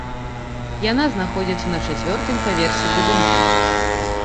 Яна знаходзіцца на чацвёртым паверсе будынка.